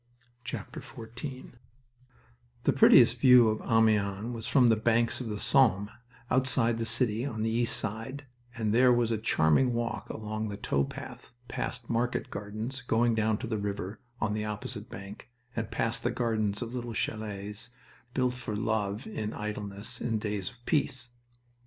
XIV The prettiest view of Amiens was from the banks of the Somme outside the city, on the east side, and there was a charming walk along the tow path, past market gardens going down to the river on the opposite bank, and past the gardens of little chalets built for love in idleness in days of peace.